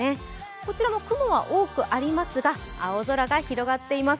こちらも雲は多くありますが、青空が広がっています。